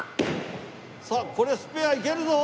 さあこれはスペアいけるぞ！